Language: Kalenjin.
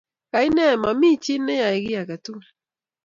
Kaine mami chi neyae kiy age tugul